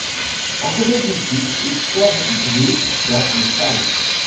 En Corée du Sud, il sort le dans les salles.